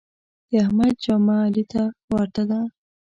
د احمد جامه علي ته ورته ده.